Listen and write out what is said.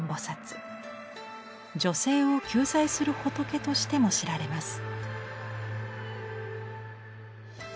女性を救済する仏としても知られます。